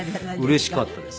うれしかったです。